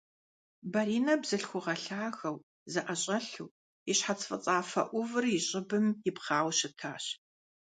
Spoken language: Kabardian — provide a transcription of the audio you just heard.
Баринэ бзылъхугъэ лъагэу, зэӀэщӀэлъу, и щхьэц фӀыцӀафэ Ӏувыр и щӀыбым ипхъауэ щытащ.